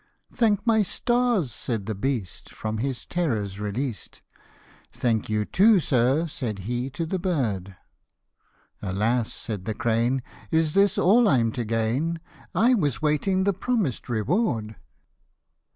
" Thank my stars !" said the beast, from his terrors released, " Thank you too, sir," said he to the bird : t( Alas !" said the crane, " is this all I'm to gain, 1 was waiting the promised reward."